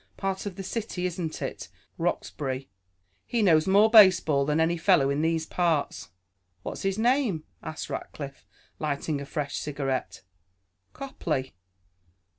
Part of the city, isn't it Roxbury? He knows more baseball than any fellow in these parts." "What's his name?" asked Rackliff, lighting a fresh cigarette. "Copley."